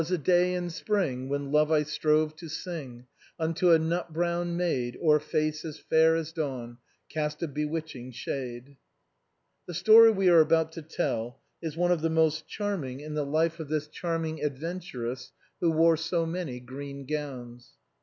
It w;i6 a day in Spring When love I strove to sing Unto a nut brown maid. O'er face as fair as dawn A dainty cap of lawn Cast a bewitching shade." The story we are about to tell is one of the most charm ing in the life of this charming adventuress who wore so many green gowns.